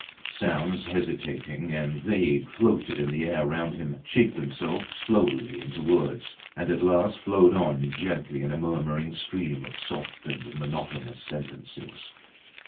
Sounds hesitating and vague floated in the air round him, shaped themselves slowly into words; and at last flowed on gently in a murmuring stream of soft and monotonous sentences.